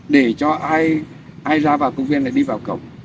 để cho ai ra vào công viên là đi vào cổng